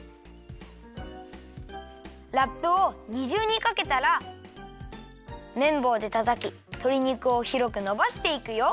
ラップをにじゅうにかけたらめんぼうでたたきとり肉をひろくのばしていくよ。